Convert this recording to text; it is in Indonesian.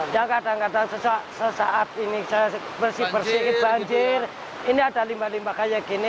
dan kadang kadang sesaat ini bersih bersihin banjir ini ada limba limba kayak gini